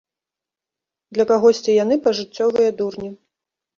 Для кагосьці яны пажыццёвыя дурні.